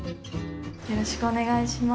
よろしくお願いします。